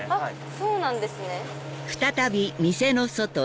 そうなんですね。